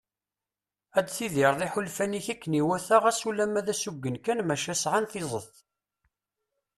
Ad tidireḍ iḥulfan-ik akken iwata ɣas ulamma d asugen kan maca sɛan tizeḍt.